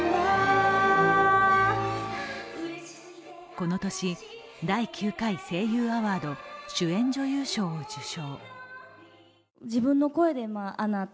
この年、第９回声優アワード主演女優賞を受賞。